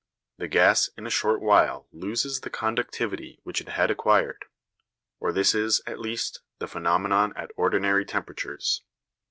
The gas in a short while loses the conductivity which it had acquired; or this is, at least, the phenomenon at ordinary temperatures.